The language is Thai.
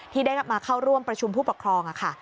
ที่ได้มาเข้าร่วมประชุมผู้ปกครองค่ะ